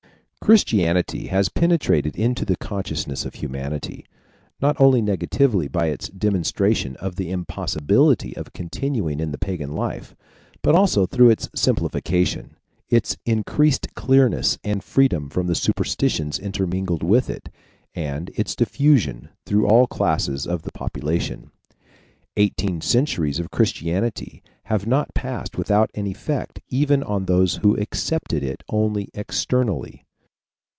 Christianity has penetrated into the consciousness of humanity, not only negatively by the demonstration of the impossibility of continuing in the pagan life, but also through its simplification, its increased clearness and freedom from the superstitions intermingled with it, and its diffusion through all classes of the population. Eighteen centuries of Christianity have not passed without an effect even on those who accepted it only externally.